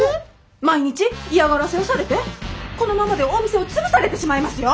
毎日嫌がらせをされてこのままではお店を潰されてしまいますよ。